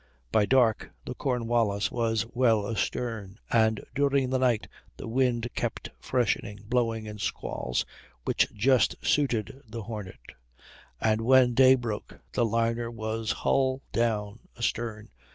By dark the Cornwallis was well astern, and during the night the wind kept freshening, blowing in squalls, which just suited the Hornet, and when day broke the liner was hull down astern.